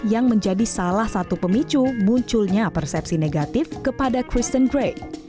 yang menjadi salah satu pemicu munculnya persepsi negatif kepada kristen gray